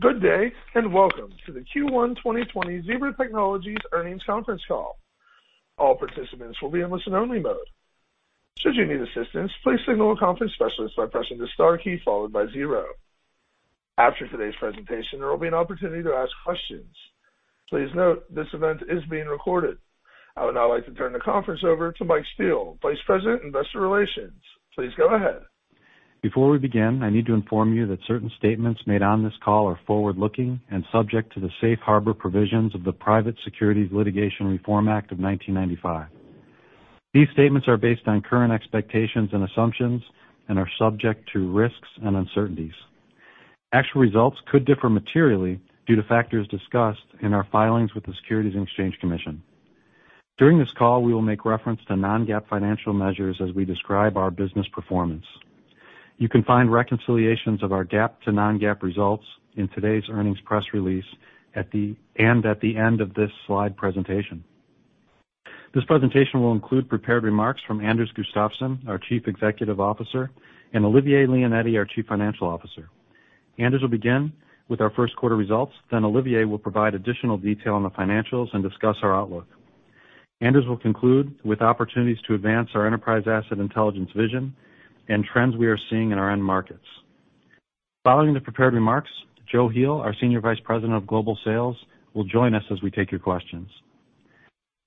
Good day, and welcome to the Q1 2020 Zebra Technologies earnings conference call. All participants will be in listen only mode. Should you need assistance, please signal a conference specialist by pressing the star key followed by zero. After today's presentation, there will be an opportunity to ask questions. Please note this event is being recorded. I would now like to turn the conference over to Mike Steele, Vice President, Investor Relations. Please go ahead. Before we begin, I need to inform you that certain statements made on this call are forward-looking and subject to the safe harbor provisions of the Private Securities Litigation Reform Act of 1995. These statements are based on current expectations and assumptions and are subject to risks and uncertainties. Actual results could differ materially due to factors discussed in our filings with the Securities and Exchange Commission. During this call, we will make reference to non-GAAP financial measures as we describe our business performance. You can find reconciliations of our GAAP to non-GAAP results in today's earnings press release and at the end of this slide presentation. This presentation will include prepared remarks from Anders Gustafsson, our Chief Executive Officer, and Olivier Leonetti, our Chief Financial Officer. Anders will begin with our first quarter results, then Olivier will provide additional detail on the financials and discuss our outlook. Anders will conclude with opportunities to advance our Enterprise Asset Intelligence vision and trends we are seeing in our end markets. Following the prepared remarks, Joe Heel, our Senior Vice President of Global Sales, will join us as we take your questions.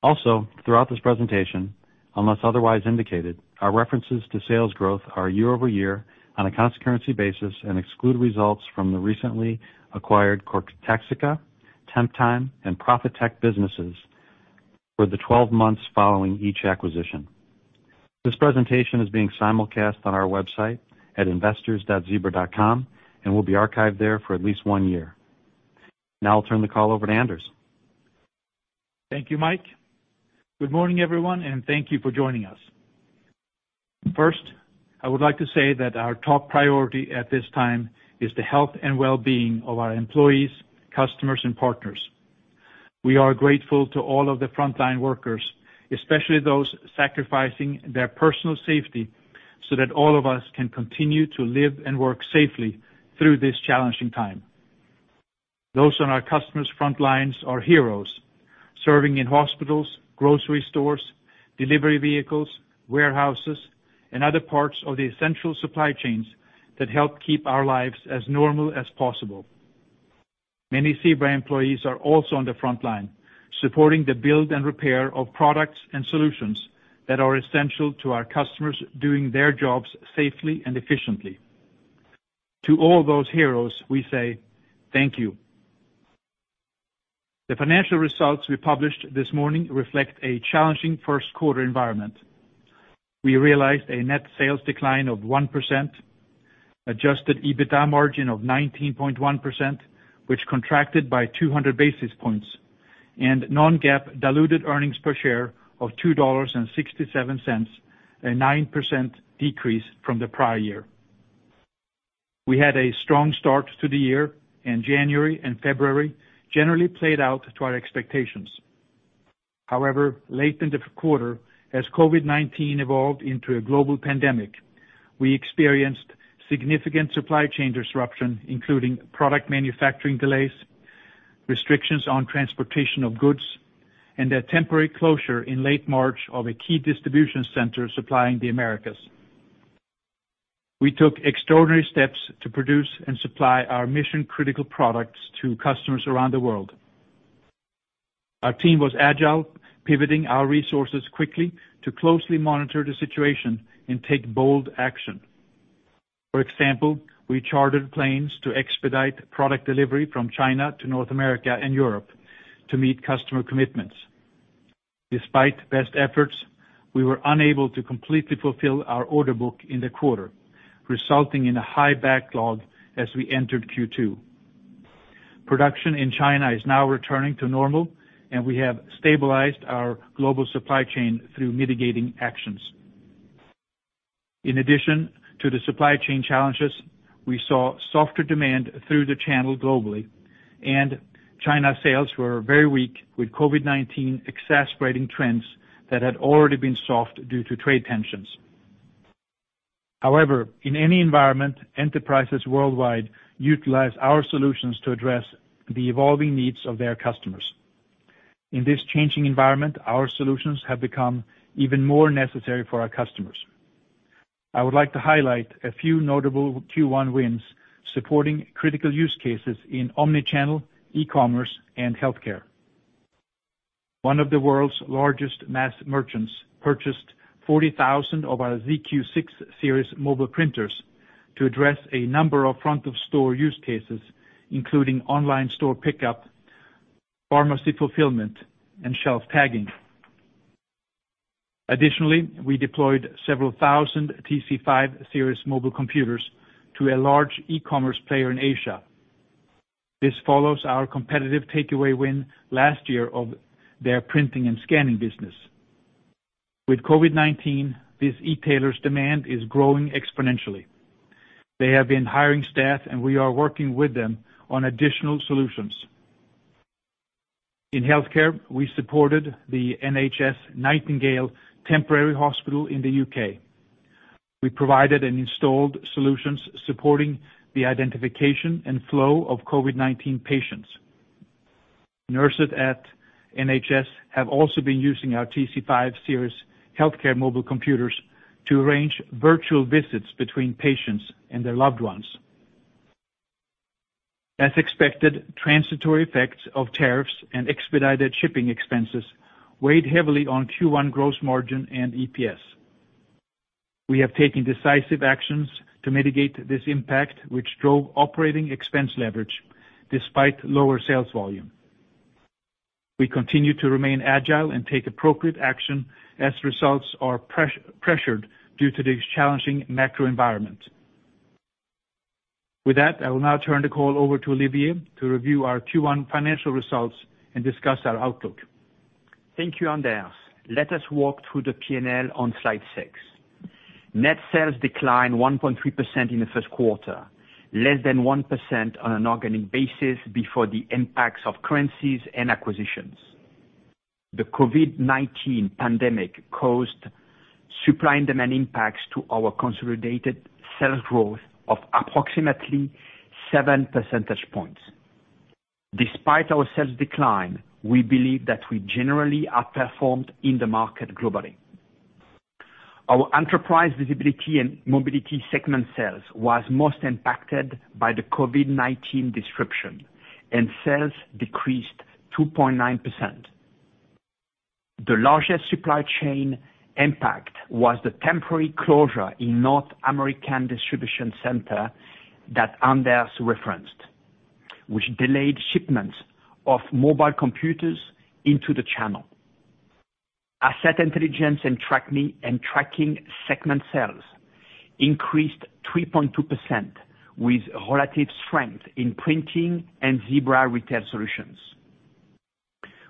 Also, throughout this presentation, unless otherwise indicated, our references to sales growth are year-over-year on a constant currency basis and exclude results from the recently acquired Cortexica, Temptime, and Profitect businesses for the 12 months following each acquisition. This presentation is being simulcast on our website at investors.zebra.com and will be archived there for at least one year. Now I'll turn the call over to Anders. Thank you, Mike. Good morning, everyone, and thank you for joining us. First, I would like to say that our top priority at this time is the health and well-being of our employees, customers, and partners. We are grateful to all of the frontline workers, especially those sacrificing their personal safety so that all of us can continue to live and work safely through this challenging time. Those on our customers' front lines are heroes, serving in hospitals, grocery stores, delivery vehicles, warehouses, and other parts of the essential supply chains that help keep our lives as normal as possible. Many Zebra employees are also on the front line, supporting the build and repair of products and solutions that are essential to our customers doing their jobs safely and efficiently. To all those heroes, we say thank you. The financial results we published this morning reflect a challenging first quarter environment. We realized a net sales decline of 1%, adjusted EBITDA margin of 19.1%, which contracted by 200 basis points, and non-GAAP diluted earnings per share of $2.67, a 9% decrease from the prior year. We had a strong start to the year, and January and February generally played out to our expectations. However, late in the quarter, as COVID-19 evolved into a global pandemic, we experienced significant supply chain disruption, including product manufacturing delays, restrictions on transportation of goods, and a temporary closure in late March of a key distribution center supplying the Americas. We took extraordinary steps to produce and supply our mission-critical products to customers around the world. Our team was agile, pivoting our resources quickly to closely monitor the situation and take bold action. For example, we chartered planes to expedite product delivery from China to North America and Europe to meet customer commitments. Despite best efforts, we were unable to completely fulfill our order book in the quarter, resulting in a high backlog as we entered Q2. Production in China is now returning to normal, and we have stabilized our global supply chain through mitigating actions. In addition to the supply chain challenges, we saw softer demand through the channel globally, and China sales were very weak, with COVID-19 exacerbating trends that had already been soft due to trade tensions. However, in any environment, enterprises worldwide utilize our solutions to address the evolving needs of their customers. In this changing environment, our solutions have become even more necessary for our customers. I would like to highlight a few notable Q1 wins supporting critical use cases in omni-channel, e-commerce, and healthcare. One of the world's largest mass merchants purchased 40,000 of our ZQ600 Series mobile printers to address a number of front of store use cases, including online store pickup, pharmacy fulfillment, and shelf tagging. We deployed several thousand TC5x Series mobile computers to a large e-commerce player in Asia. This follows our competitive takeaway win last year of their printing and scanning business. With COVID-19, this e-tailer's demand is growing exponentially. They have been hiring staff, and we are working with them on additional solutions. In healthcare, we supported the NHS Nightingale Temporary Hospital in the U.K. We provided and installed solutions supporting the identification and flow of COVID-19 patients. Nurses at NHS have also been using our TC5x Series healthcare mobile computers to arrange virtual visits between patients and their loved ones. As expected, transitory effects of tariffs and expedited shipping expenses weighed heavily on Q1 gross margin and EPS. We have taken decisive actions to mitigate this impact, which drove operating expense leverage despite lower sales volume. We continue to remain agile and take appropriate action as results are pressured due to the challenging macro environment. With that, I will now turn the call over to Olivier to review our Q1 financial results and discuss our outlook. Thank you, Anders. Let us walk through the P&L on Slide 6. Net sales declined 1.3% in the first quarter, less than 1% on an organic basis before the impacts of currencies and acquisitions. The COVID-19 pandemic caused supply and demand impacts to our consolidated sales growth of approximately seven percentage points. Despite our sales decline, we believe that we generally outperformed in the market globally. Our Enterprise Visibility & Mobility segment sales was most impacted by the COVID-19 disruption, and sales decreased 2.9%. The largest supply chain impact was the temporary closure in North American distribution center that Anders referenced, which delayed shipments of mobile computers into the channel. Asset Intelligence & Tracking segment sales increased 3.2% with relative strength in printing and Zebra Retail Solutions.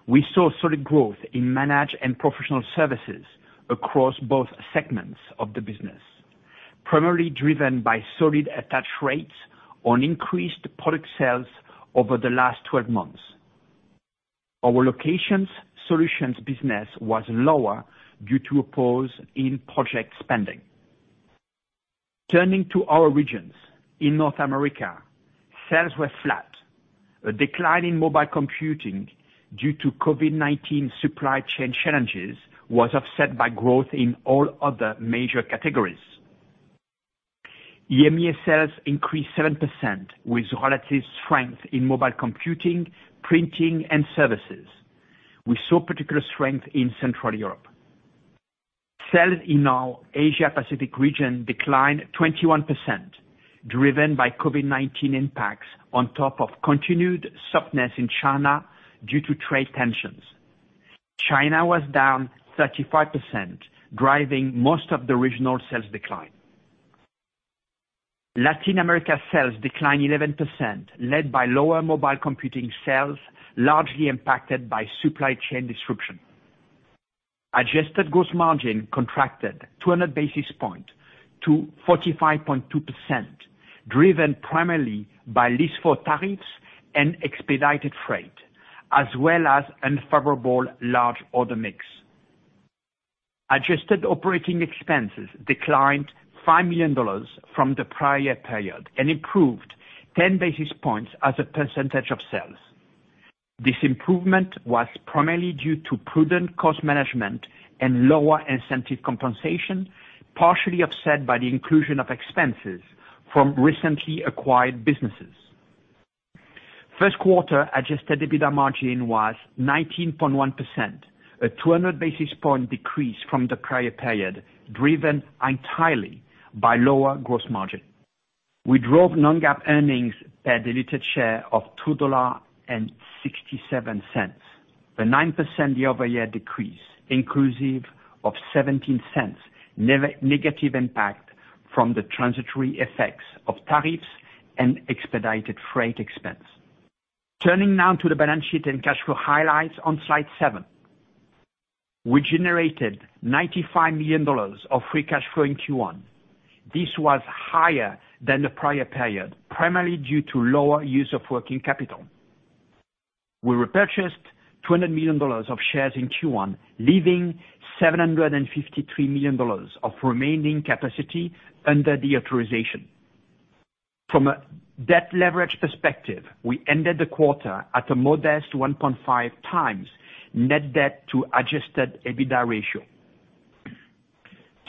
We saw solid growth in manage and professional services across both segments of the business, primarily driven by solid attach rates on increased product sales over the last 12 months. Our locations solutions business was lower due to a pause in project spending. Turning to our regions. In North America, sales were flat. A decline in mobile computing due to COVID-19 supply chain challenges was offset by growth in all other major categories. EMEA sales increased 7% with relative strength in mobile computing, printing, and services. We saw particular strength in Central Europe. Sales in our Asia Pacific region declined 21%, driven by COVID-19 impacts on top of continued softness in China due to trade tensions. China was down 35%, driving most of the regional sales decline. Latin America sales declined 11%, led by lower mobile computing sales, largely impacted by supply chain disruption. Adjusted gross margin contracted 200 basis points to 45.2%, driven primarily by List 4 tariffs and expedited freight, as well as unfavorable large order mix. Adjusted operating expenses declined $5 million from the prior period and improved 10 basis points as a percentage of sales. This improvement was primarily due to prudent cost management and lower incentive compensation, partially offset by the inclusion of expenses from recently acquired businesses. First quarter adjusted EBITDA margin was 19.1%, a 200 basis points decrease from the prior period, driven entirely by lower gross margin. We drove non-GAAP earnings per diluted share of $2.67, a 9% year-over-year decrease, inclusive of $0.17 negative impact from the transitory effects of tariffs and expedited freight expense. Turning now to the balance sheet and cash flow highlights on slide seven. We generated $95 million of free cash flow in Q1. This was higher than the prior period, primarily due to lower use of working capital. We repurchased $200 million of shares in Q1, leaving $753 million of remaining capacity under the authorization. From a debt leverage perspective, we ended the quarter at a modest 1.5x net debt to adjusted EBITDA ratio.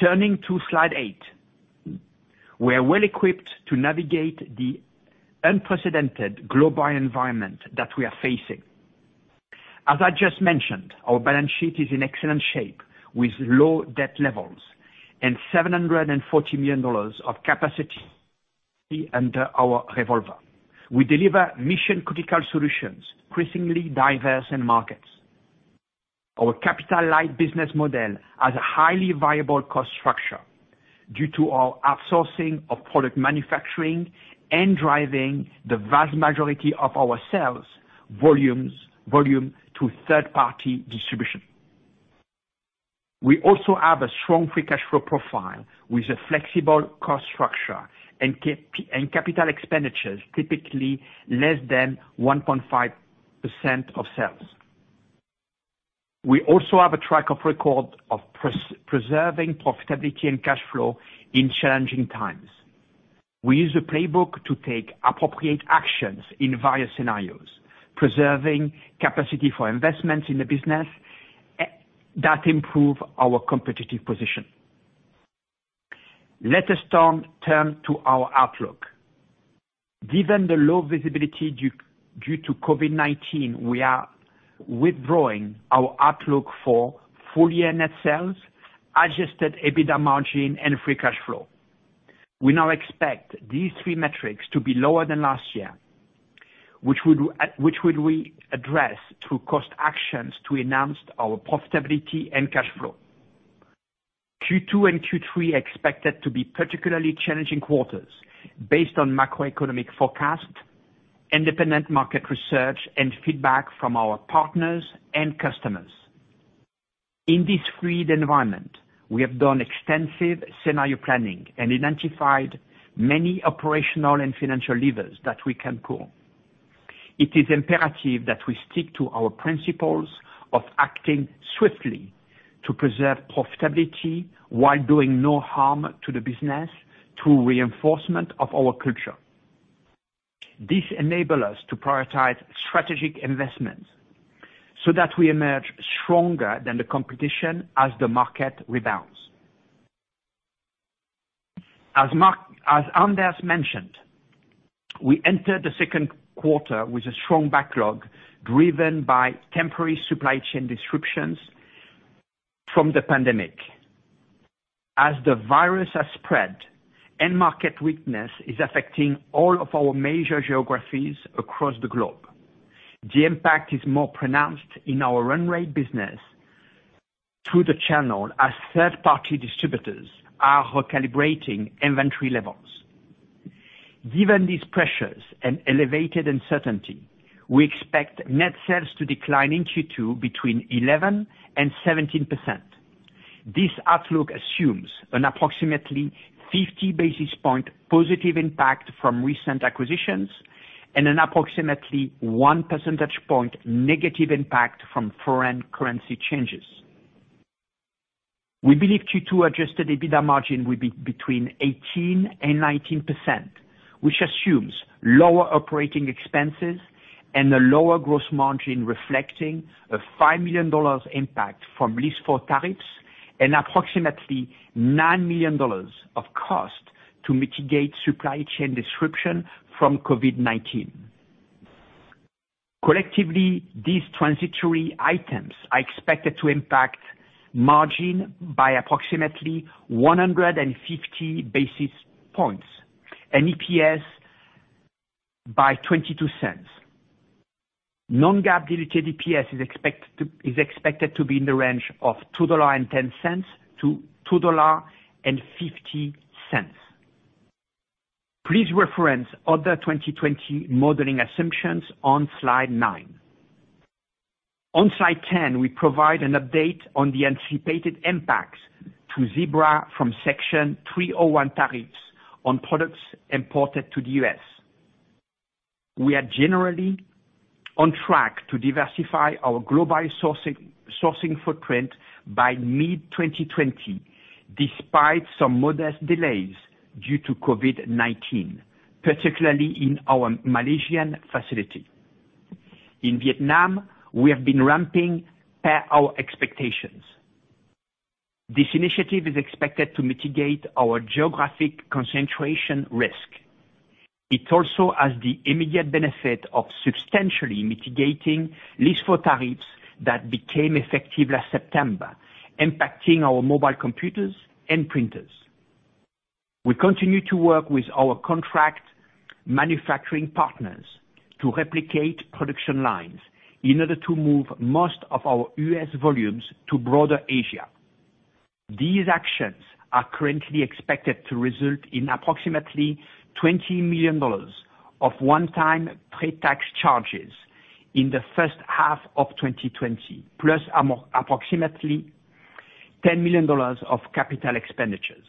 Turning to slide eight. We are well equipped to navigate the unprecedented global environment that we are facing. As I just mentioned, our balance sheet is in excellent shape with low debt levels and $740 million of capacity under our revolver. We deliver mission-critical solutions, increasingly diverse in markets. Our capital light business model has a highly viable cost structure due to our outsourcing of product manufacturing and driving the vast majority of our sales volume to third-party distribution. We also have a strong free cash flow profile with a flexible cost structure and capital expenditures typically less than 1.5% of sales. We also have a track record of preserving profitability and cash flow in challenging times. We use a playbook to take appropriate actions in various scenarios, preserving capacity for investments in the business that improve our competitive position. Let us turn to our outlook. Given the low visibility due to COVID-19, we are withdrawing our outlook for full year net sales, adjusted EBITDA margin, and free cash flow. We now expect these three metrics to be lower than last year, which would we address through cost actions to enhance our profitability and cash flow. Q2 and Q3 are expected to be particularly challenging quarters, based on macroeconomic forecast, independent market research, and feedback from our partners and customers. In this fluid environment, we have done extensive scenario planning and identified many operational and financial levers that we can pull. It is imperative that we stick to our principles of acting swiftly to preserve profitability, while doing no harm to the business through reinforcement of our culture. This enable us to prioritize strategic investments, so that we emerge stronger than the competition as the market rebounds. As Anders mentioned, we entered the second quarter with a strong backlog driven by temporary supply chain disruptions from the pandemic. As the virus has spread, end market weakness is affecting all of our major geographies across the globe. The impact is more pronounced in our run rate business through the channel, as third-party distributors are recalibrating inventory levels. Given these pressures and elevated uncertainty, we expect net sales to decline in Q2 between 11% and 17%. This outlook assumes an approximately 50 basis points positive impact from recent acquisitions, and an approximately one percentage point negative impact from foreign currency changes. We believe Q2 adjusted EBITDA margin will be between 18% and 19%, which assumes lower operating expenses and a lower gross margin reflecting a $5 million impact from List 4 tariffs, and approximately $9 million of cost to mitigate supply chain disruption from COVID-19. Collectively, these transitory items are expected to impact margin by approximately 150 basis points, and EPS by $0.22. non-GAAP diluted EPS is expected to be in the range of $2.10-$2.50. Please reference other 2020 modeling assumptions on slide nine. On slide 10, we provide an update on the anticipated impacts to Zebra from Section 301 tariffs on products imported to the U.S. We are generally on track to diversify our global sourcing footprint by mid-2020, despite some modest delays due to COVID-19, particularly in our Malaysian facility. In Vietnam, we have been ramping per our expectations. This initiative is expected to mitigate our geographic concentration risk. It also has the immediate benefit of substantially mitigating List 4 tariffs that became effective last September, impacting our mobile computers and printers. We continue to work with our contract manufacturing partners to replicate production lines in order to move most of our U.S. volumes to broader Asia. These actions are currently expected to result in approximately $20 million of one-time pre-tax charges in the first half of 2020, plus approximately $10 million of capital expenditures.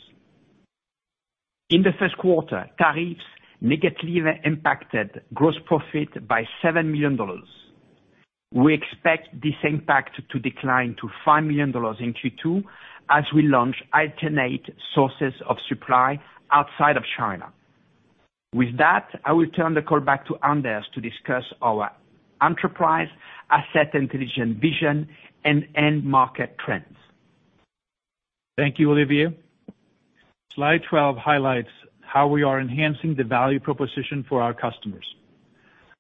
In the first quarter, tariffs negatively impacted gross profit by $7 million. We expect this impact to decline to $5 million in Q2 as we launch alternate sources of supply outside of China. With that, I will turn the call back to Anders to discuss our Enterprise Asset Intelligence vision and end market trends. Thank you, Olivier. Slide 12 highlights how we are enhancing the value proposition for our customers.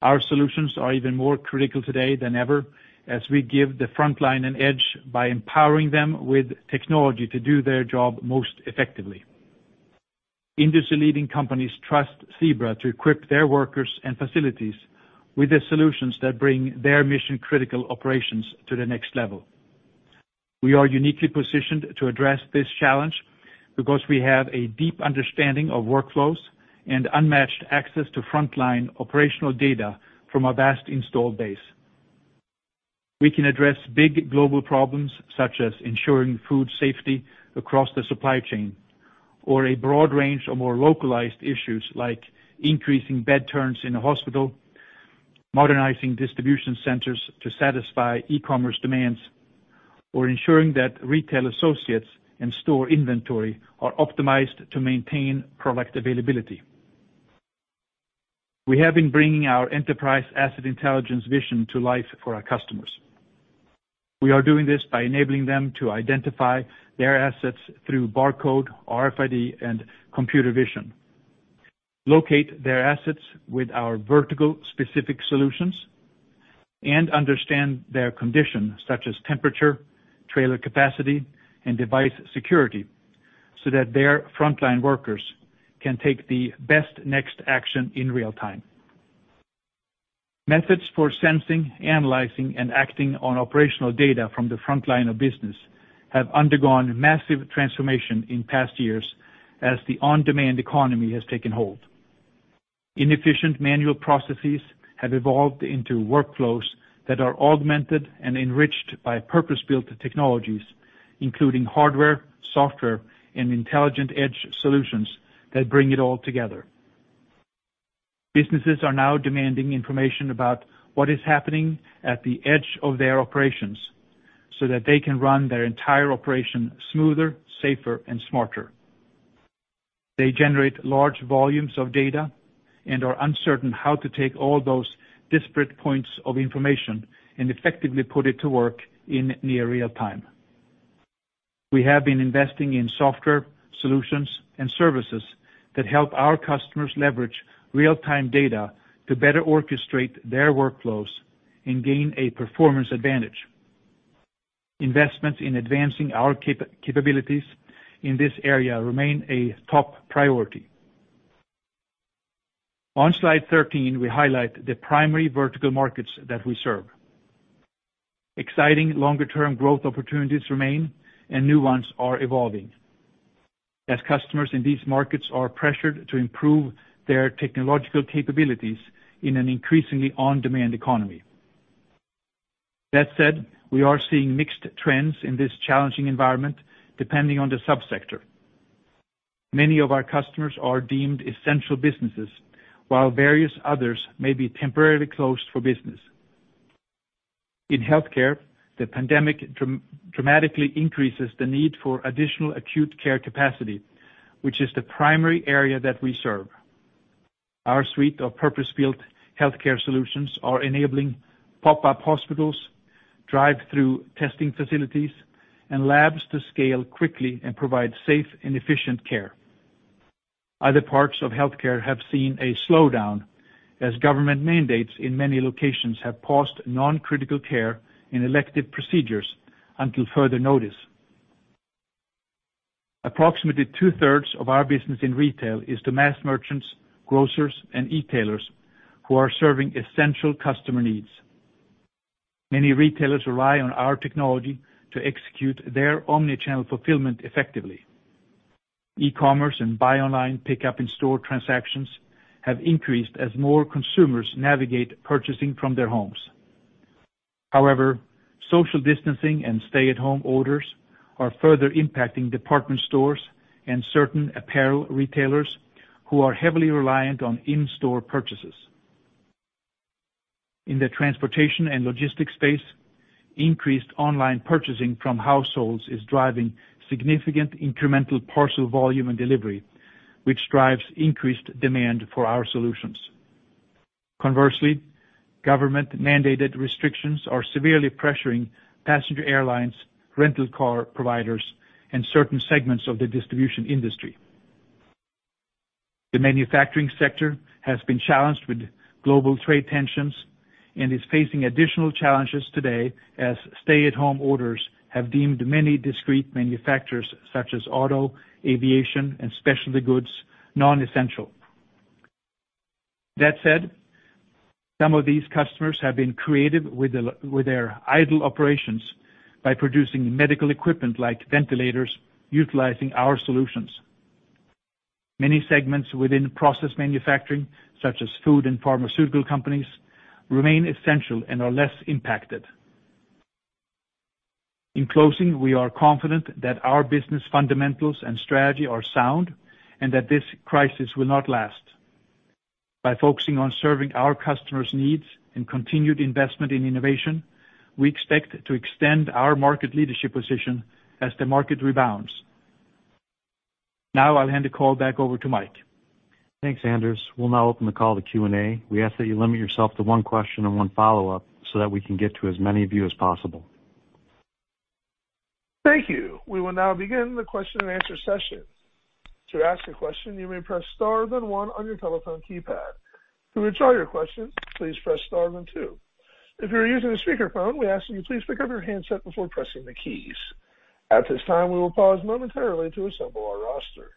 Our solutions are even more critical today than ever, as we give the frontline an edge by empowering them with technology to do their job most effectively. Industry-leading companies trust Zebra to equip their workers and facilities with the solutions that bring their mission-critical operations to the next level. We are uniquely positioned to address this challenge because we have a deep understanding of workflows and unmatched access to frontline operational data from our vast installed base. We can address big global problems, such as ensuring food safety across the supply chain, or a broad range of more localized issues like increasing bed turns in a hospital, modernizing distribution centers to satisfy e-commerce demands, or ensuring that retail associates and store inventory are optimized to maintain product availability. We have been bringing our Enterprise Asset Intelligence vision to life for our customers. We are doing this by enabling them to identify their assets through barcode, RFID, and computer vision, locate their assets with our vertical specific solutions, and understand their condition, such as temperature, trailer capacity, and device security, so that their frontline workers can take the best next action in real time. Methods for sensing, analyzing, and acting on operational data from the frontline of business have undergone massive transformation in past years as the on-demand economy has taken hold. Inefficient manual processes have evolved into workflows that are augmented and enriched by purpose-built technologies, including hardware, software, and intelligent edge solutions that bring it all together. Businesses are now demanding information about what is happening at the edge of their operations so that they can run their entire operation smoother, safer, and smarter. They generate large volumes of data and are uncertain how to take all those disparate points of information and effectively put it to work in near real time. We have been investing in software solutions and services that help our customers leverage real-time data to better orchestrate their workflows and gain a performance advantage. Investments in advancing our capabilities in this area remain a top priority. On slide 13, we highlight the primary vertical markets that we serve. Exciting longer-term growth opportunities remain, and new ones are evolving. Customers in these markets are pressured to improve their technological capabilities in an increasingly on-demand economy. That said, we are seeing mixed trends in this challenging environment, depending on the sub-sector. Many of our customers are deemed essential businesses, while various others may be temporarily closed for business. In healthcare, the pandemic dramatically increases the need for additional acute care capacity, which is the primary area that we serve. Our suite of purpose-built healthcare solutions are enabling pop-up hospitals, drive-through testing facilities, and labs to scale quickly and provide safe and efficient care. Other parts of healthcare have seen a slowdown as government mandates in many locations have paused non-critical care and elective procedures until further notice. Approximately two-thirds of our business in retail is to mass merchants, grocers, and e-tailers who are serving essential customer needs. Many retailers rely on our technology to execute their omni-channel fulfillment effectively. E-commerce and buy online pickup in-store transactions have increased as more consumers navigate purchasing from their homes. However, social distancing and stay-at-home orders are further impacting department stores and certain apparel retailers who are heavily reliant on in-store purchases. In the transportation and logistics space, increased online purchasing from households is driving significant incremental parcel volume and delivery, which drives increased demand for our solutions. Conversely, government-mandated restrictions are severely pressuring passenger airlines, rental car providers, and certain segments of the distribution industry. The manufacturing sector has been challenged with global trade tensions and is facing additional challenges today as stay-at-home orders have deemed many discrete manufacturers, such as auto, aviation, and specialty goods, non-essential. That said, some of these customers have been creative with their idle operations by producing medical equipment like ventilators, utilizing our solutions. Many segments within process manufacturing, such as food and pharmaceutical companies, remain essential and are less impacted. In closing, we are confident that our business fundamentals and strategy are sound and that this crisis will not last. By focusing on serving our customers' needs and continued investment in innovation, we expect to extend our market leadership position as the market rebounds. Now I'll hand the call back over to Mike. Thanks, Anders. We'll now open the call to Q&A. We ask that you limit yourself to one question and one follow-up so that we can get to as many of you as possible. Thank you. We will now begin the question and answer session. To ask a question, you may press star then one on your telephone keypad. To withdraw your question, please press star then two. If you're using a speakerphone, we ask that you please pick up your handset before pressing the keys. At this time, we will pause momentarily to assemble our roster.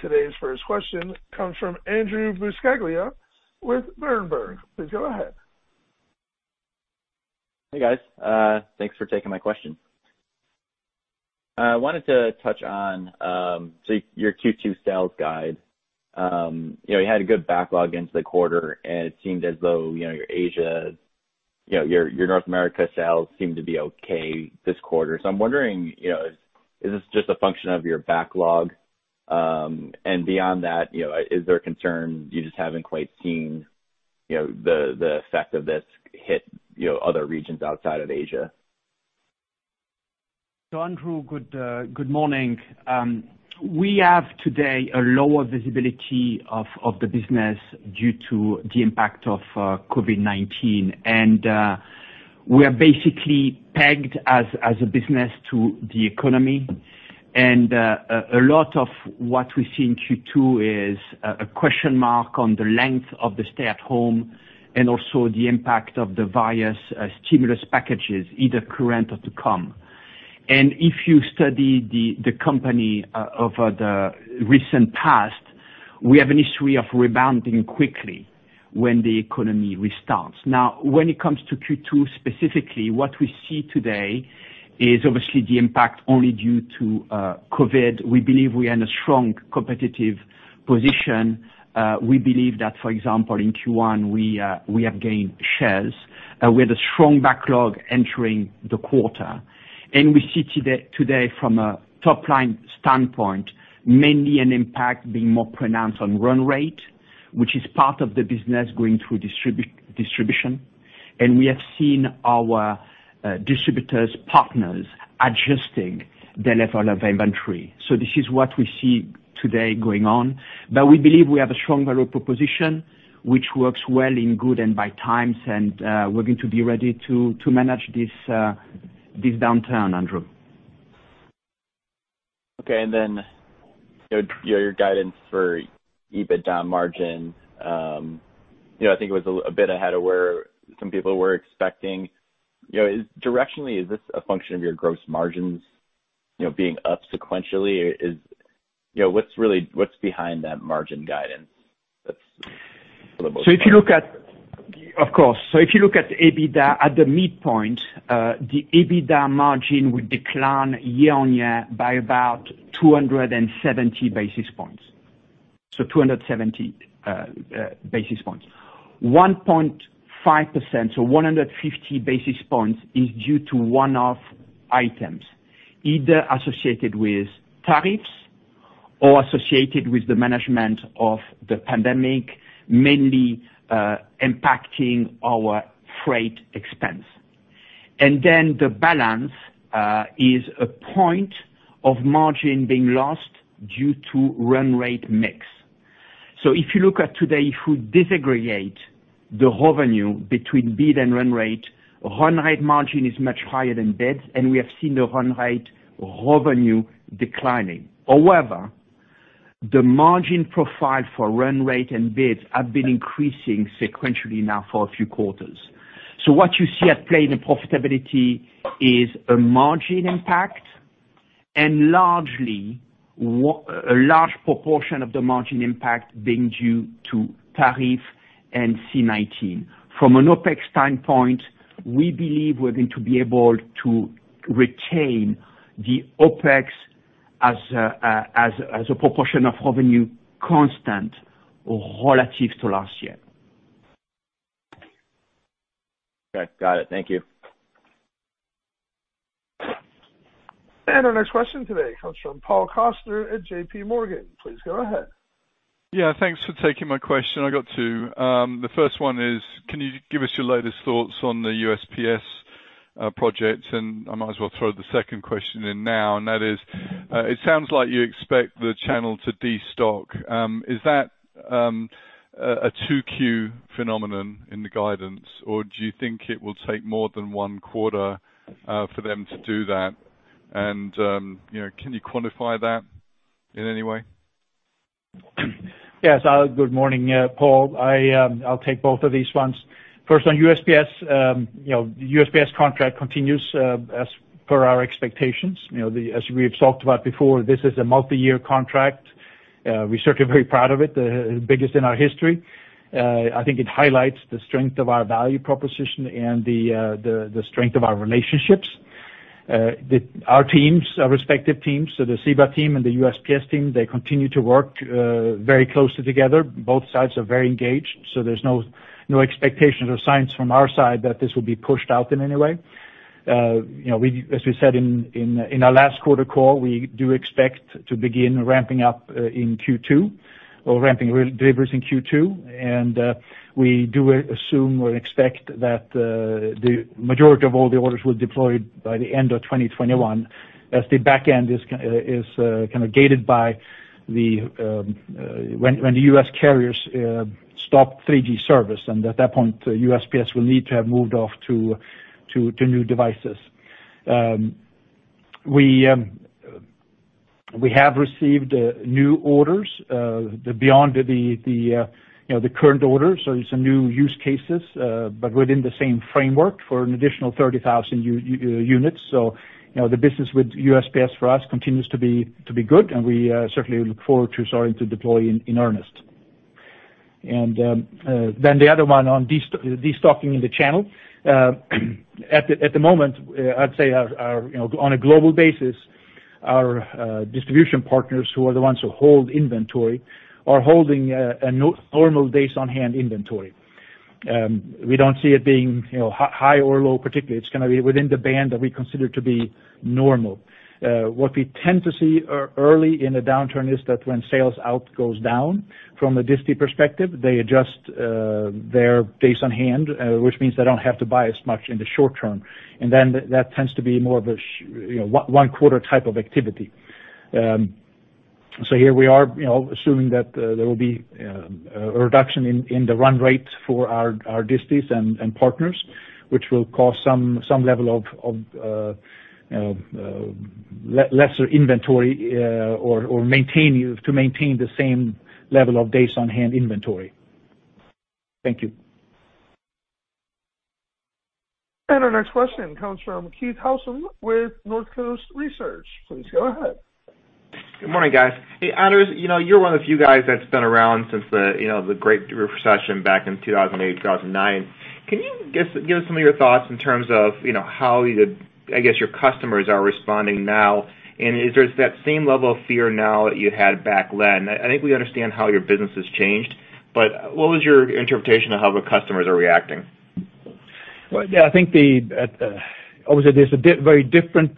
Today's first question comes from Andrew Buscaglia with Berenberg. Please go ahead. Hey, guys. Thanks for taking my question. I wanted to touch on your Q2 sales guide. You had a good backlog into the quarter, and it seemed as though your North America sales seemed to be okay this quarter. I'm wondering, is this just a function of your backlog? Beyond that, is there a concern you just haven't quite seen the effect of this hit other regions outside of Asia? Andrew, good morning. We have today a lower visibility of the business due to the impact of COVID-19. We are basically pegged as a business to the economy. A lot of what we see in Q2 is a question mark on the length of the stay at home and also the impact of the various stimulus packages, either current or to come. If you study the company over the recent past, we have an history of rebounding quickly when the economy restarts. When it comes to Q2 specifically, what we see today is obviously the impact only due to COVID. We believe we are in a strong competitive position. We believe that, for example, in Q1, we have gained shares. We had a strong backlog entering the quarter. We see today from a top-line standpoint, mainly an impact being more pronounced on run rate, which is part of the business going through distribution. We have seen our distributors partners adjusting their level of inventory. This is what we see today going on. We believe we have a strong value proposition, which works well in good and bad times. We're going to be ready to manage this downturn, Andrew. Okay. Your guidance for EBITDA margin. I think it was a bit ahead of where some people were expecting. Directionally, is this a function of your gross margins being up sequentially? What's behind that margin guidance? Of course. If you look at the EBITDA at the midpoint, the EBITDA margin would decline year-over-year by about 270 basis points. 270 basis points. 1.5%, so 150 basis points is due to one-off items, either associated with tariffs or associated with the management of the pandemic, mainly impacting our freight expense. The balance is a point of margin being lost due to run rate mix. If you look at today, if we disaggregate the revenue between bid and run rate, run rate margin is much higher than bids, and we have seen the run rate revenue declining. However, the margin profile for run rate and bids have been increasing sequentially now for a few quarters. What you see at play in the profitability is a margin impact, and a large proportion of the margin impact being due to tariff and COVID-19. From an OPEX standpoint, we believe we're going to be able to retain the OPEX as a proportion of revenue constant relative to last year. Okay, got it. Thank you. Our next question today comes from Paul Coster at JPMorgan. Please go ahead. Yeah, thanks for taking my question. I got two. The first one is, can you give us your latest thoughts on the USPS project? I might as well throw the second question in now, and that is, it sounds like you expect the channel to destock. Is that a 2Q phenomenon in the guidance, or do you think it will take more than one quarter for them to do that? Can you quantify that in any way? Yes. Good morning, Paul. I'll take both of these ones. First on USPS. USPS contract continues as per our expectations. As we have talked about before, this is a multiyear contract. We're certainly very proud of it, the biggest in our history. I think it highlights the strength of our value proposition and the strength of our relationships. Our respective teams, so the Zebra team and the USPS team, they continue to work very closely together. Both sides are very engaged, so there's no expectations or signs from our side that this will be pushed out in any way. As we said in our last quarter call, we do expect to begin ramping up in Q2 or ramping deliveries in Q2. We do assume or expect that the majority of all the orders will deploy by the end of 2021 as the back end is kind of gated by when the U.S. carriers stop 3G service. At that point, USPS will need to have moved off to new devices. We have received new orders beyond the current orders. Some new use cases, but within the same framework for an additional 30,000 units. The business with USPS for us continues to be good, and we certainly look forward to starting to deploy in earnest. The other one on destocking in the channel. At the moment, I'd say on a global basis, our distribution partners, who are the ones who hold inventory, are holding a normal days-on-hand inventory. We don't see it being high or low particularly. It's going to be within the band that we consider to be normal. What we tend to see early in a downturn is that when sales out goes down from a disty perspective, they adjust their days-on-hand, which means they don't have to buy as much in the short term. That tends to be more of a one quarter type of activity. Here we are assuming that there will be a reduction in the run rate for our distys and partners, which will cause some level of lesser inventory, or to maintain the same level of days-on-hand inventory. Thank you. Our next question comes from Keith Housum with Northcoast Research. Please go ahead. Good morning, guys. Hey, Anders, you're one of the few guys that's been around since the Great Recession back in 2008, 2009. Can you give us some of your thoughts in terms of how, I guess your customers are responding now, and is there that same level of fear now that you had back then? I think we understand how your business has changed, but what was your interpretation of how the customers are reacting? Well, yeah, I think, obviously, there's very different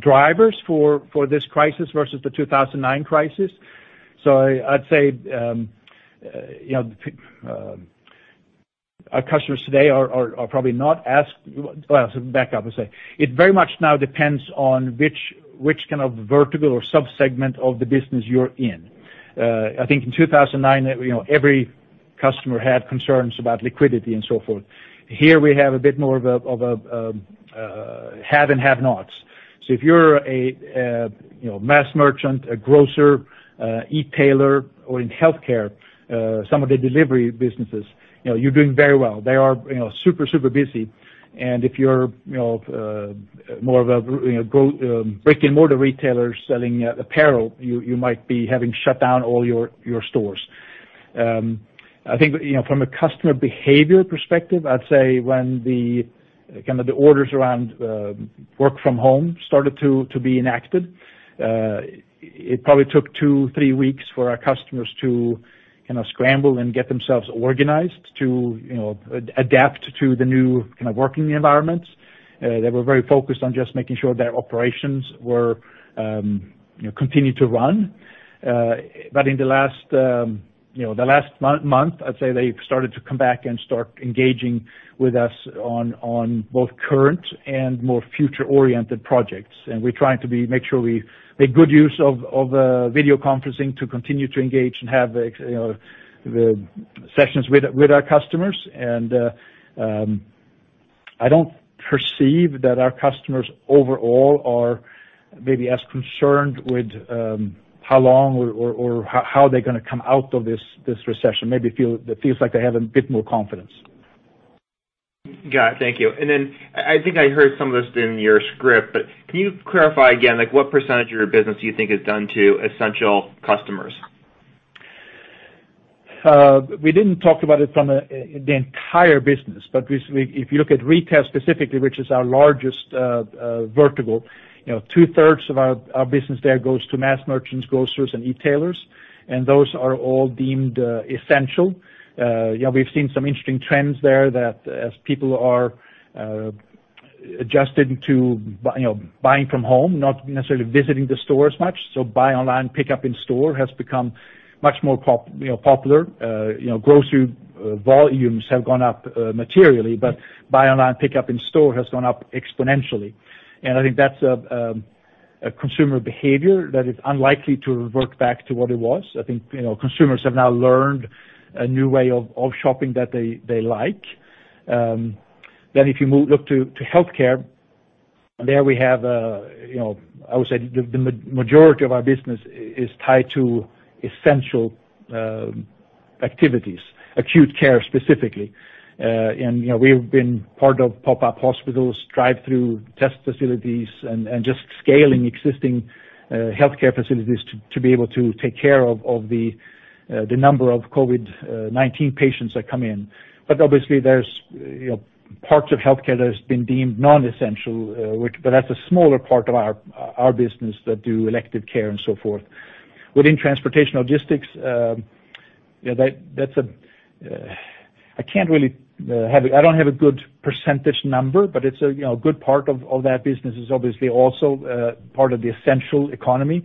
drivers for this crisis versus the 2009 crisis. I'd say, it very much now depends on which kind of vertical or subsegment of the business you're in. I think in 2009, every customer had concerns about liquidity and so forth. Here we have a bit more of a have and have-nots. If you're a mass merchant, a grocer, e-tailer, or in healthcare, some of the delivery businesses, you're doing very well. They are super busy. If you're more of a brick-and-mortar retailer selling apparel, you might be having to shut down all your stores. I think from a customer behavior perspective, I'd say when the orders around work from home started to be enacted, it probably took two, three weeks for our customers to scramble and get themselves organized to adapt to the new working environments. They were very focused on just making sure their operations continued to run. In the last month, I'd say they've started to come back and start engaging with us on both current and more future-oriented projects. We're trying to make sure we make good use of video conferencing to continue to engage and have sessions with our customers. I don't perceive that our customers overall are maybe as concerned with how long or how they're going to come out of this recession. Maybe it feels like they have a bit more confidence. Got it. Thank you. I think I heard some of this in your script, but can you clarify again, what percentage of your business do you think is done to essential customers? We didn't talk about it from the entire business, but if you look at retail specifically, which is our largest vertical, two-thirds of our business there goes to mass merchants, grocers, and e-tailers, and those are all deemed essential. We've seen some interesting trends there that as people are adjusting to buying from home, not necessarily visiting the store as much. Buy online, pick up in store has become much more popular. Grocery volumes have gone up materially, but buy online, pick up in store has gone up exponentially. I think that's a consumer behavior that is unlikely to revert back to what it was. I think consumers have now learned a new way of shopping that they like. If you look to healthcare, there we have, I would say, the majority of our business is tied to essential activities, acute care specifically. We've been part of pop-up hospitals, drive-through test facilities, and just scaling existing healthcare facilities to be able to take care of the number of COVID-19 patients that come in. Obviously there's parts of healthcare that has been deemed non-essential, but that's a smaller part of our business that do elective care and so forth. Within transportation logistics, I don't have a good percentage number, but a good part of that business is obviously also part of the essential economy,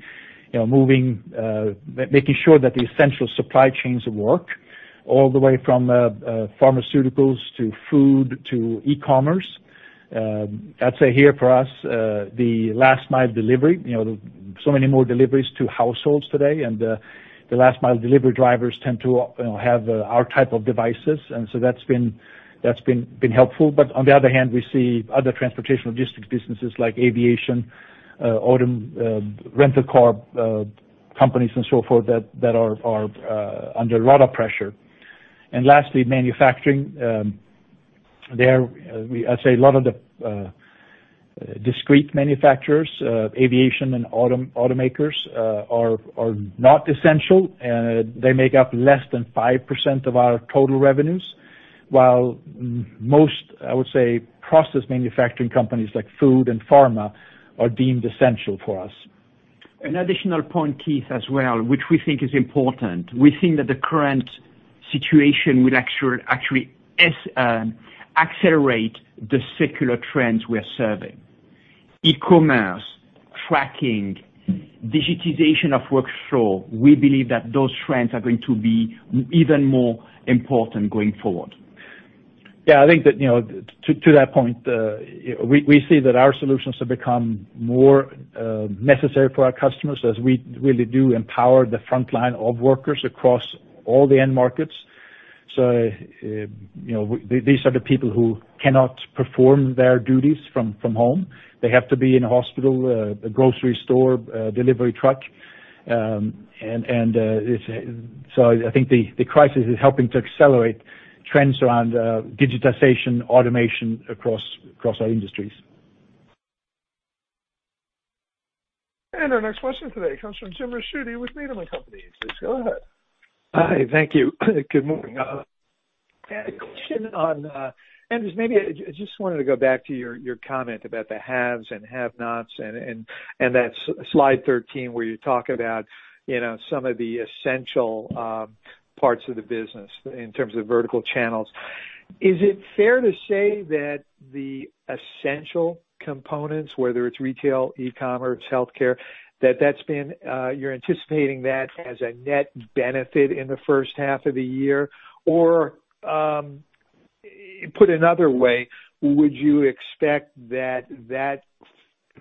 making sure that the essential supply chains work, all the way from pharmaceuticals to food to e-commerce. I'd say here for us, the last mile delivery. Many more deliveries to households today, and the last mile delivery drivers tend to have our type of devices. That's been helpful. On the other hand, we see other transportation logistics businesses like aviation, rental car companies, and so forth, that are under a lot of pressure. Lastly, manufacturing. I'd say a lot of the discrete manufacturers, aviation, and automakers, are not essential. They make up less than 5% of our total revenues, while most, I would say, process manufacturing companies like food and pharma are deemed essential for us. An additional point, Keith, as well, which we think is important. We think that the current situation will actually accelerate the secular trends we are serving. E-commerce, tracking, digitization of workflow. We believe that those trends are going to be even more important going forward. Yeah. I think that, to that point, we see that our solutions have become more necessary for our customers as we really do empower the frontline of workers across all the end markets. These are the people who cannot perform their duties from home. They have to be in a hospital, a grocery store, a delivery truck. I think the crisis is helping to accelerate trends around digitization, automation across our industries. Our next question today comes from Jim Ricchiuti with Needham & Company. Please go ahead. Hi. Thank you. Good morning. A question on, Anders, maybe I just wanted to go back to your comment about the haves and have-nots and that slide 13 where you talk about some of the essential parts of the business in terms of vertical channels. Is it fair to say that the essential components, whether it's retail, e-commerce, healthcare, that you're anticipating that as a net benefit in the first half of the year? Or, put another way, would you expect that that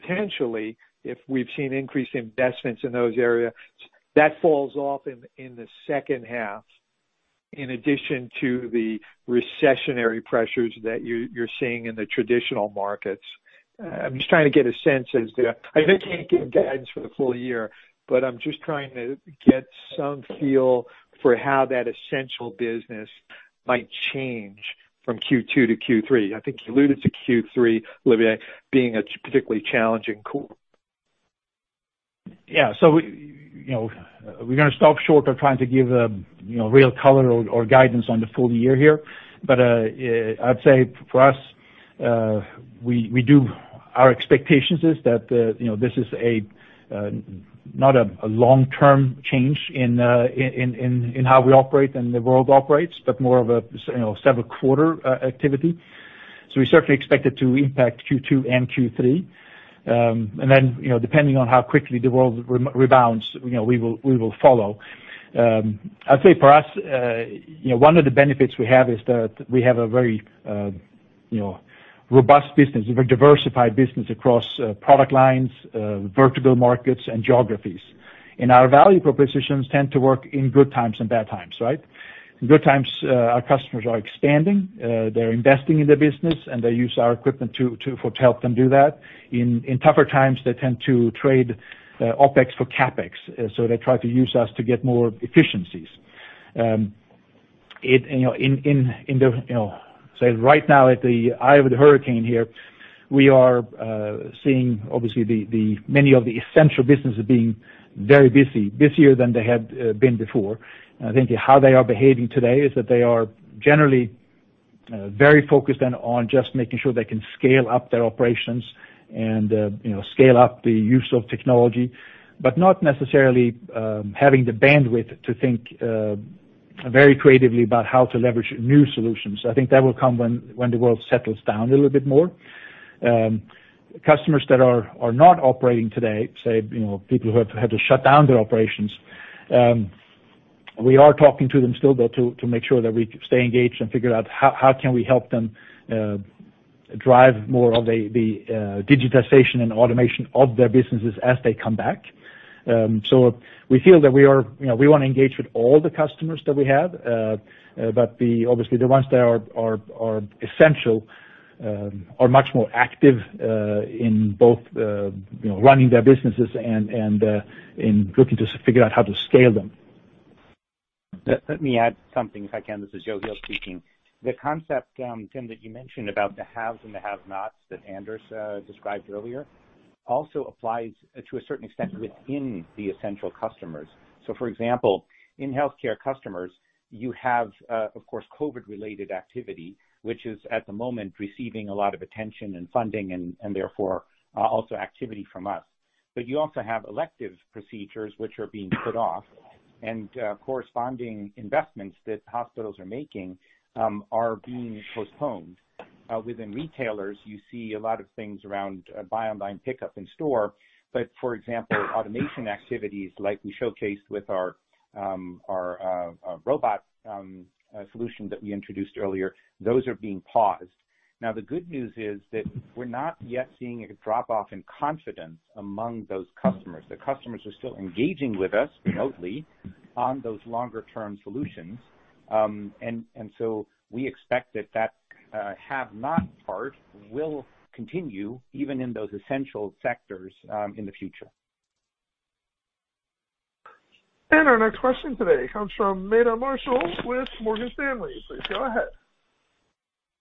potentially, if we've seen increased investments in those areas, that falls off in the second half, in addition to the recessionary pressures that you're seeing in the traditional markets? I'm just trying to get a sense as I know you can't give guidance for the full year, but I'm just trying to get some feel for how that essential business might change from Q2 to Q3. I think you alluded to Q3, Olivier, being a particularly challenging quarter. Yeah. We're going to stop short of trying to give real color or guidance on the full year here. I'd say for us, our expectation is that this is not a long-term change in how we operate and the world operates, but more of a several quarter activity. We certainly expect it to impact Q2 and Q3. Depending on how quickly the world rebounds, we will follow. I'd say for us, one of the benefits we have is that we have a very robust business, a very diversified business across product lines, vertical markets, and geographies. Our value propositions tend to work in good times and bad times, right? In good times, our customers are expanding, they're investing in their business, and they use our equipment to help them do that. In tougher times, they tend to trade OPEX for CAPEX. They try to use us to get more efficiencies. Right now, at the eye of the hurricane here, we are seeing obviously, many of the essential businesses being very busy, busier than they had been before. I think how they are behaving today is that they are generally very focused on just making sure they can scale up their operations and scale up the use of technology, but not necessarily having the bandwidth to think very creatively about how to leverage new solutions. I think that will come when the world settles down a little bit more. Customers that are not operating today, say, people who have had to shut down their operations, we are talking to them still, though, to make sure that we stay engaged and figure out how can we help them drive more of the digitization and automation of their businesses as they come back. We feel that we want to engage with all the customers that we have, but obviously the ones that are essential, are much more active, in both running their businesses and in looking to figure out how to scale them. Let me add something, if I can. This is Joe Heel speaking. The concept, Jim, that you mentioned about the haves and the have-nots that Anders described earlier also applies to a certain extent within the essential customers. For example, in healthcare customers, you have, of course, COVID-related activity, which is at the moment receiving a lot of attention and funding, and therefore, also activity from us. You also have elective procedures which are being put off and corresponding investments that hospitals are making, are being postponed. Within retailers, you see a lot of things around buy online, pickup in store. For example, automation activities like we showcased with our robot solution that we introduced earlier, those are being paused. The good news is that we're not yet seeing a drop-off in confidence among those customers. The customers are still engaging with us remotely on those longer-term solutions. We expect that that have-not part will continue even in those essential sectors in the future. Our next question today comes from Meta Marshall with Morgan Stanley. Please go ahead.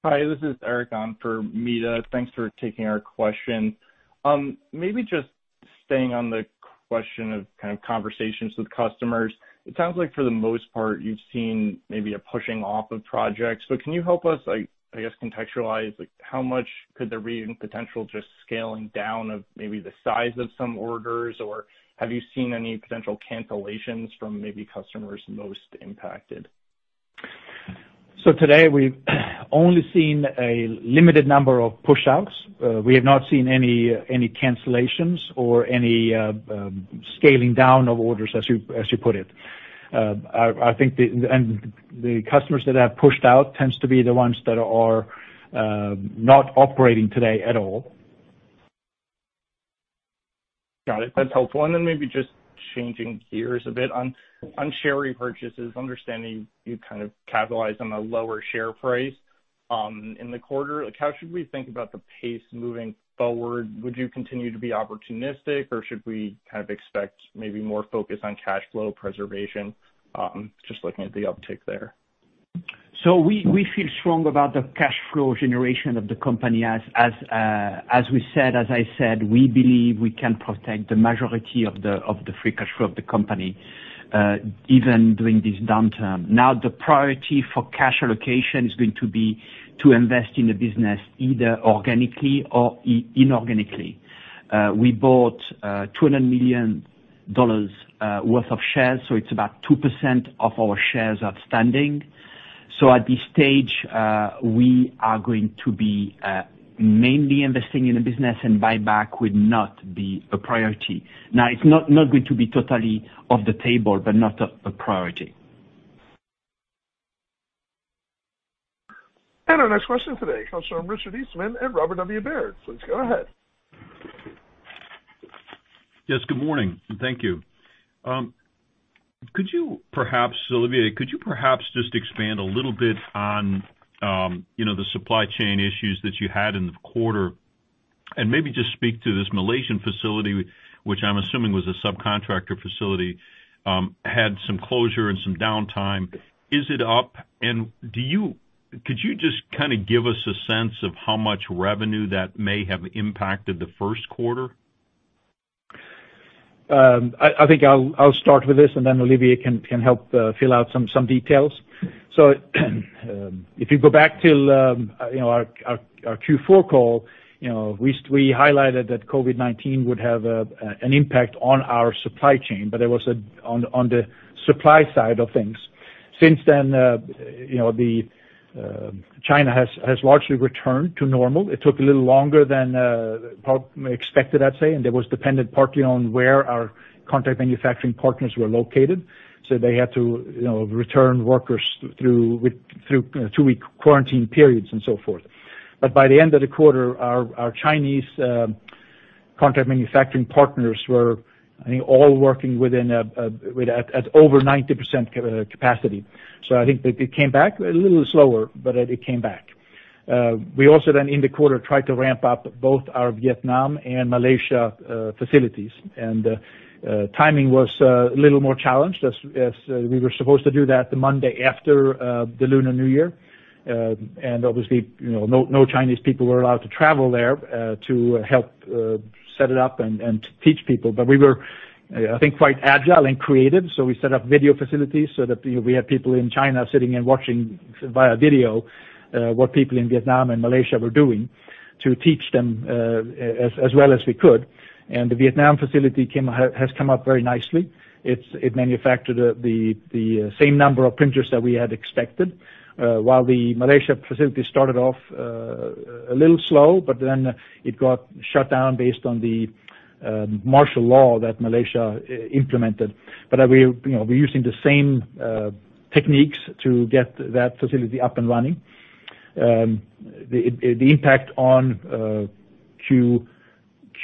Hi, this is Erik on for Meta. Thanks for taking our question. Maybe just staying on the question of conversations with customers. It sounds like for the most part, you've seen maybe a pushing off of projects. Can you help us, I guess, contextualize how much could there be in potential just scaling down of maybe the size of some orders, or have you seen any potential cancellations from maybe customers most impacted? Today, we've only seen a limited number of push outs. We have not seen any cancellations or any scaling down of orders, as you put it. The customers that have pushed out tends to be the ones that are not operating today at all. Got it. That's helpful. Maybe just changing gears a bit. On share repurchases, understanding you kind of capitalized on a lower share price in the quarter. How should we think about the pace moving forward? Would you continue to be opportunistic, or should we kind of expect maybe more focus on cash flow preservation? Just looking at the uptick there. We feel strong about the cash flow generation of the company. As I said, we believe we can protect the majority of the free cash flow of the company, even during this downturn. The priority for cash allocation is going to be to invest in the business, either organically or inorganically. We bought $200 million worth of shares, it's about 2% of our shares outstanding. At this stage, we are going to be mainly investing in the business and buyback would not be a priority. It's not going to be totally off the table, but not a priority. Our next question today comes from Richard Eastman at Robert W. Baird. Please go ahead. Yes, good morning. Thank you. Olivier, could you perhaps just expand a little bit on the supply chain issues that you had in the quarter, and maybe just speak to this Malaysian facility, which I'm assuming was a subcontractor facility, had some closure and some downtime. Is it up, and could you just kind of give us a sense of how much revenue that may have impacted the first quarter? I think I'll start with this, and then Olivier can help fill out some details. If you go back to our Q4 call, we highlighted that COVID-19 would have an impact on our supply chain, but it was on the supply side of things. Since then, China has largely returned to normal. It took a little longer than expected, I'd say, and that was dependent partly on where our contract manufacturing partners were located. They had to return workers through two-week quarantine periods and so forth. By the end of the quarter, our Chinese contract manufacturing partners were, I think, all working at over 90% capacity. I think it came back a little slower, but it came back. We also then, in the quarter, tried to ramp up both our Vietnam and Malaysia facilities. Timing was a little more challenged as we were supposed to do that the Monday after the Lunar New Year. Obviously, no Chinese people were allowed to travel there to help set it up and to teach people. We were, I think, quite agile and creative. We set up video facilities so that we had people in China sitting and watching via video what people in Vietnam and Malaysia were doing to teach them as well as we could. The Vietnam facility has come up very nicely. It manufactured the same number of printers that we had expected, while the Malaysia facility started off a little slow. It got shut down based on the martial law that Malaysia implemented. We're using the same techniques to get that facility up and running. The impact on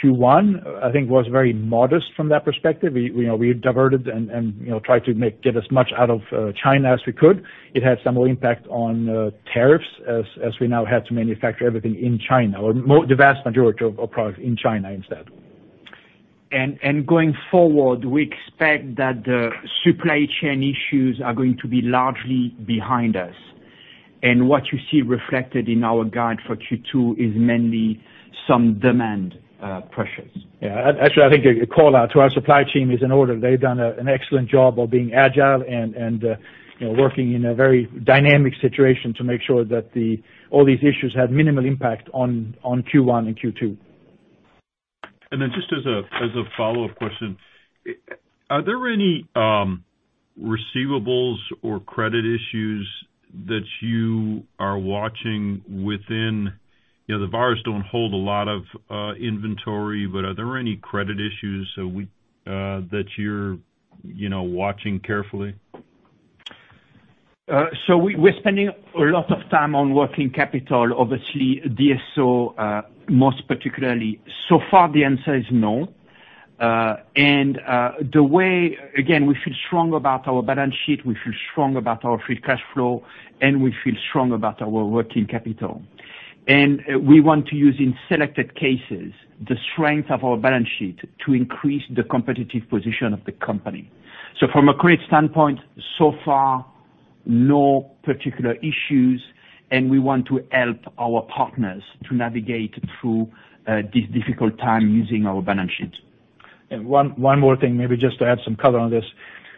Q1, I think, was very modest from that perspective. We diverted and tried to get as much out of China as we could. It had some impact on tariffs as we now had to manufacture everything in China, or the vast majority of products in China instead. Going forward, we expect that the supply chain issues are going to be largely behind us. What you see reflected in our guide for Q2 is mainly some demand pressures. Yeah. Actually, I think a call-out to our supply chain is in order. They've done an excellent job of being agile and working in a very dynamic situation to make sure that all these issues had minimal impact on Q1 and Q2. Just as a follow-up question, are there any receivables or credit issues that you are watching? The bars don't hold a lot of inventory. Are there any credit issues that you're watching carefully? We're spending a lot of time on working capital, obviously DSO, most particularly. So far, the answer is no. Again, we feel strong about our balance sheet, we feel strong about our free cash flow, and we feel strong about our working capital. We want to use, in selected cases, the strength of our balance sheet to increase the competitive position of the company. From a credit standpoint, so far, no particular issues, and we want to help our partners to navigate through this difficult time using our balance sheet. One more thing, maybe just to add some color on this.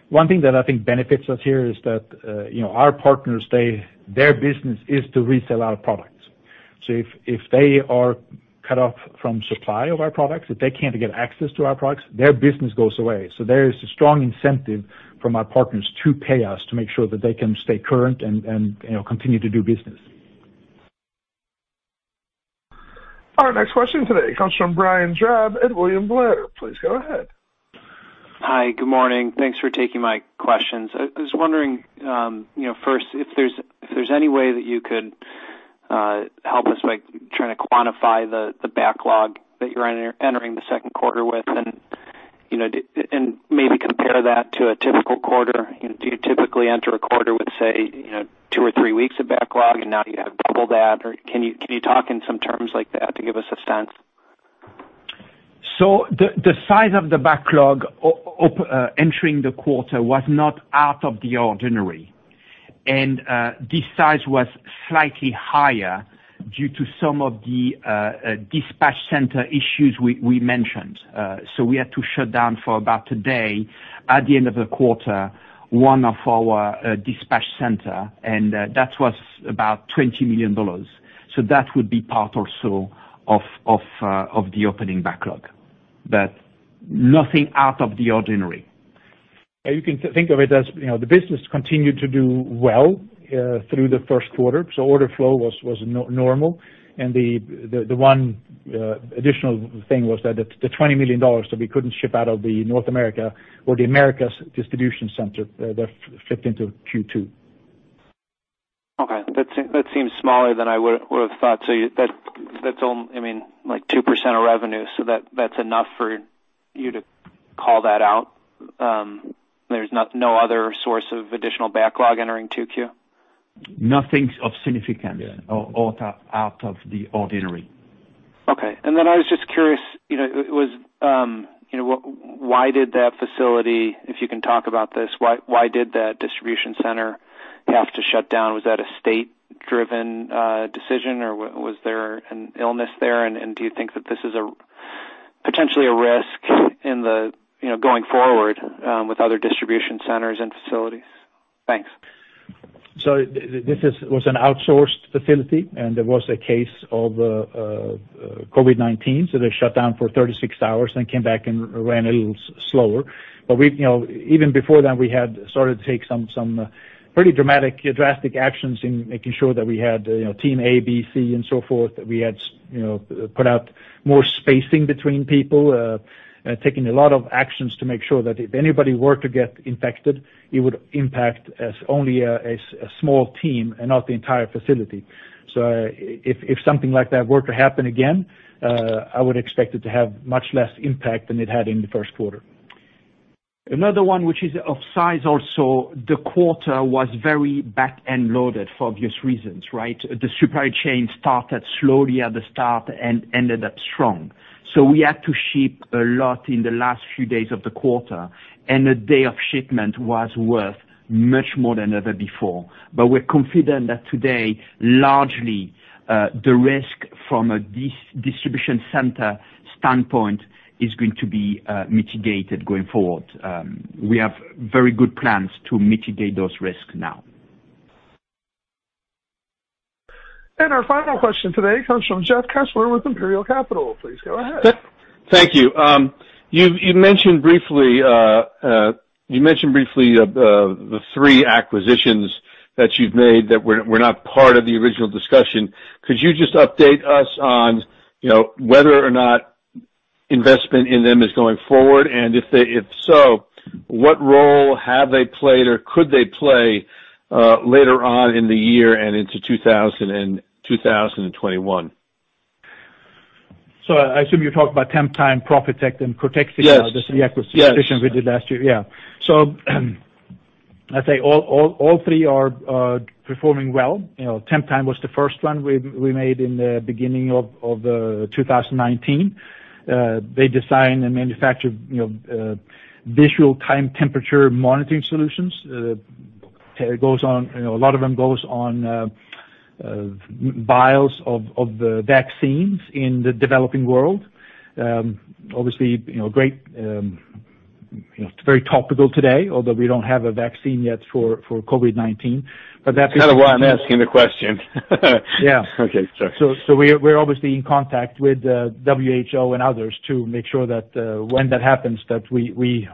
One thing that I think benefits us here is that our partners, their business is to resell our products. If they are cut off from supply of our products, if they can't get access to our products, their business goes away. There is a strong incentive from our partners to pay us to make sure that they can stay current and continue to do business. Our next question today comes from Brian Drab at William Blair. Please go ahead. Hi, good morning. Thanks for taking my questions. I was wondering, first, if there's any way that you could help us by trying to quantify the backlog that you're entering the second quarter with, and maybe compare that to a typical quarter. Do you typically enter a quarter with, say, two or three weeks of backlog and now you have double that, or can you talk in some terms like that to give us a sense? The size of the backlog entering the quarter was not out of the ordinary. This size was slightly higher due to some of the dispatch center issues we mentioned. We had to shut down for about a day at the end of the quarter, one of our dispatch center, and that was about $20 million. That would be part or so of the opening backlog. Nothing out of the ordinary. You can think of it as the business continued to do well through the first quarter. Order flow was normal, and the one additional thing was that the $20 million that we couldn't ship out of the North America or the Americas distribution center, that flipped into Q2. Okay. That seems smaller than I would've thought. That's only like 2% of revenue, so that's enough for you to call that out. There's no other source of additional backlog entering 2Q? Nothing of significance- Yeah out of the ordinary. Okay. I was just curious, why did that facility, if you can talk about this, why did that distribution center have to shut down? Was that a state-driven decision, or was there an illness there, and do you think that this is potentially a risk going forward with other distribution centers and facilities? Thanks. This was an outsourced facility, and there was a case of COVID-19, so they shut down for 36 hours, then came back and ran a little slower. Even before then, we had started to take some pretty dramatic drastic actions in making sure that we had team A, B, C, and so forth. We had put out more spacing between people, taking a lot of actions to make sure that if anybody were to get infected, it would impact as only a small team and not the entire facility. If something like that were to happen again, I would expect it to have much less impact than it had in the first quarter. Another one which is of size also, the quarter was very back-end loaded for obvious reasons, right? The supply chain started slowly at the start and ended up strong. We had to ship a lot in the last few days of the quarter, and a day of shipment was worth much more than ever before. We're confident that today, largely, the risk from a distribution center standpoint is going to be mitigated going forward. We have very good plans to mitigate those risks now. Our final question today comes from Jeff Kessler with Imperial Capital. Please go ahead. Thank you. You mentioned briefly the three acquisitions that you've made that were not part of the original discussion. Could you just update us on whether or not investment in them is going forward, and if so, what role have they played or could they play later on in the year and into 2021? I assume you're talking about Temptime, Profitect, and Cortexica- Yes the three acquisitions we did last year. Yeah. I'd say all three are performing well. Temptime was the first one we made in the beginning of 2019. They design and manufacture visual time temperature monitoring solutions. A lot of them goes on vials of vaccines in the developing world. Obviously, it is very topical today, although we don't have a vaccine yet for COVID-19. Kind of why I'm asking the question. Yeah. Okay. Sorry. We're obviously in contact with WHO and others to make sure that when that happens, that we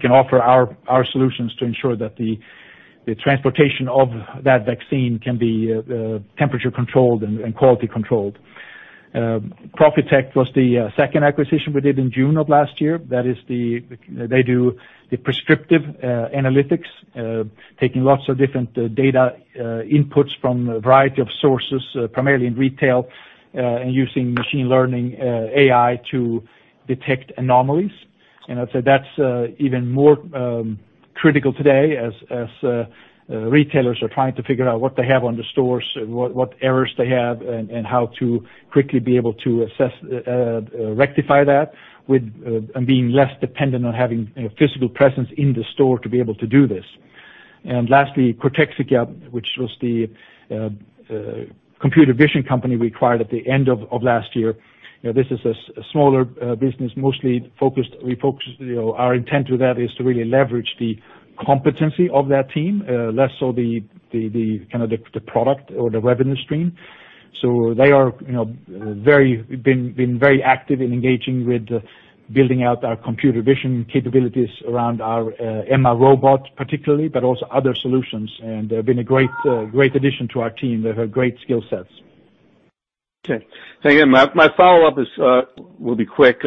can offer our solutions to ensure that the transportation of that vaccine can be temperature controlled and quality controlled. Profitect was the second acquisition we did in June of last year. They do the prescriptive analytics, taking lots of different data inputs from a variety of sources, primarily in retail, and using machine learning AI to detect anomalies. I'd say that's even more critical today as retailers are trying to figure out what they have on the stores, what errors they have, and how to quickly be able to rectify that, and being less dependent on having a physical presence in the store to be able to do this. Lastly, Cortexica, which was the computer vision company we acquired at the end of last year. This is a smaller business, our intent with that is to really leverage the competency of that team, less so the product or the revenue stream. They have been very active in engaging with building out our computer vision capabilities around our EMA50 robot particularly, but also other solutions. They've been a great addition to our team. They have great skill sets. Okay. Thank you. My follow-up will be quick.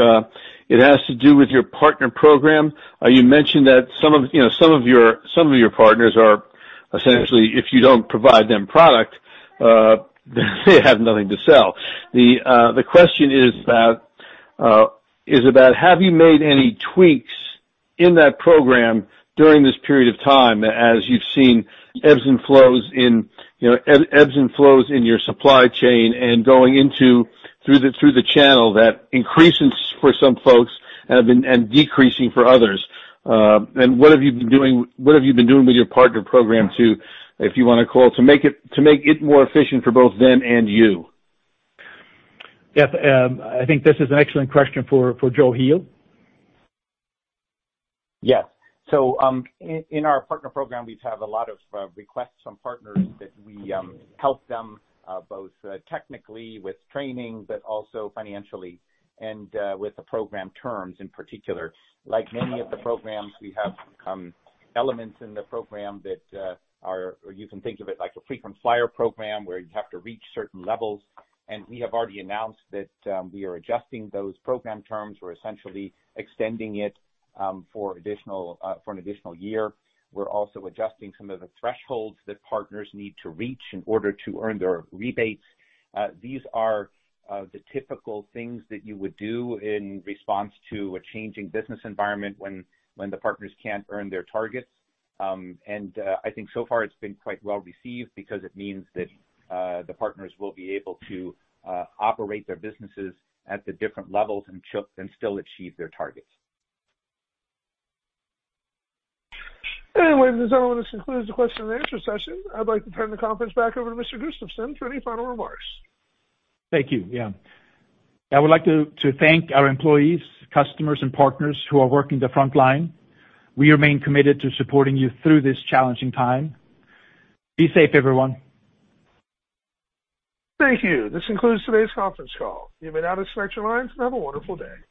It has to do with your partner program. You mentioned that some of your partners are essentially, if you don't provide them product, they have nothing to sell. The question is about, have you made any tweaks in that program during this period of time as you've seen ebbs and flows in your supply chain and going through the channel that increases for some folks and decreasing for others? What have you been doing with your partner program to, if you want to call, to make it more efficient for both them and you? Yes, I think this is an excellent question for Joe Heel. Yes. In our partner program, we've had a lot of requests from partners that we help them, both technically with training, but also financially and with the program terms in particular. Like many of the programs, we have some elements in the program that are, or you can think of it like a frequent flyer program where you have to reach certain levels, and we have already announced that we are adjusting those program terms. We're essentially extending it for an additional year. We're also adjusting some of the thresholds that partners need to reach in order to earn their rebates. These are the typical things that you would do in response to a changing business environment when the partners can't earn their targets. I think so far it's been quite well-received because it means that the partners will be able to operate their businesses at the different levels and still achieve their targets. Ladies and gentlemen, this concludes the question and answer session. I'd like to turn the conference back over to Mr. Gustafsson for any final remarks. Thank you. Yeah. I would like to thank our employees, customers, and partners who are working the front line. We remain committed to supporting you through this challenging time. Be safe, everyone. Thank you. This concludes today's conference call. You may now disconnect your lines and have a wonderful day.